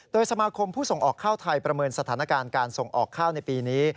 โดยสมาคมผู้ส่งออกข้าวไทยประเมินสถานการณ์การส่งออกข้าวในปีนี้